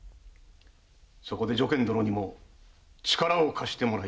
そこで如見殿にも力を貸してもらいたい。